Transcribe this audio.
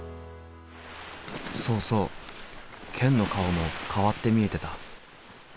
そうそうケンの顔も変わって見えてた。